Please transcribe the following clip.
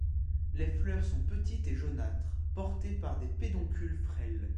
Les fleurs sont petites et jaunâtres, portées par des pédoncules frêles.